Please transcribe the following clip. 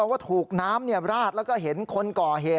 ว่าถูกน้ำราดแล้วก็เห็นคนก่อเหตุ